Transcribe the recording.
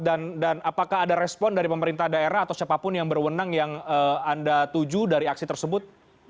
apakah ada respon dari pemerintah daerah atau siapapun yang berwenang yang anda tuju dari aksi tersebut